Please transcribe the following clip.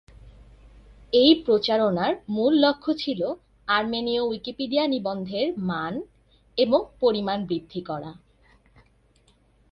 এই প্রচারণার মূল লক্ষ্য ছিল আর্মেনীয় উইকিপিডিয়া নিবন্ধের মান এবং পরিমাণ বৃদ্ধি করা।